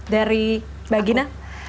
dari mbak gina